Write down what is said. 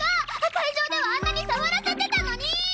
会場ではあんなに触らせてたのに！